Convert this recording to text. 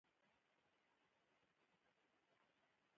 • ستا نوم اخیستل هم خوند لري.